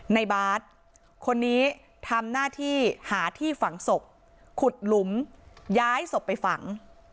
บาทคนนี้ทำหน้าที่หาที่ฝังศพขุดหลุมย้ายศพไปฝัง